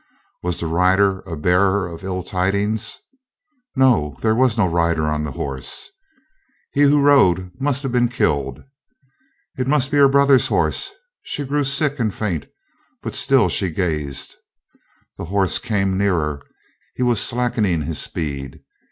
Was the rider a bearer of ill tidings? No, there was no rider on the horse. He who rode must have been killed. It might be her brother's horse; she grew sick and faint, but still she gazed. The horse came nearer; he was slackening his speed.